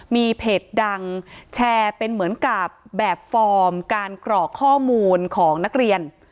มีเพจดังแชร์เป็นเหมือนกับแบบฟอร์มการกรอกข้อมูลของนักเรียน